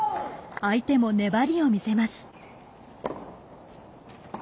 相手も粘りを見せます。